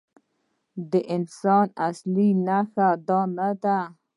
د انسان اصلي نښه دا نه ده.